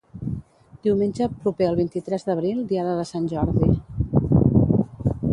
Diumenge proper al vint-i-tres d'abril, diada de Sant Jordi.